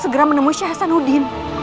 segera menemui syekh hasanuddin